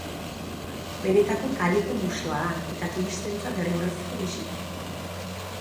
Benetako kaleko museoa da eta turistentzat derrigorrezko bisita.